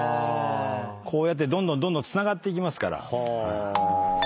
こうやってどんどんどんどんつながっていきますから。